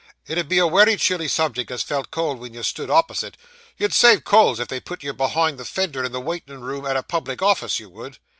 'It 'ud be a wery chilly subject as felt cold wen you stood opposite. You'd save coals if they put you behind the fender in the waitin' room at a public office, you would.